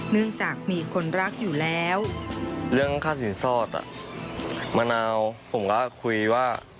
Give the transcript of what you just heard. เนื่องจากมีคนรักอยู่แล้ว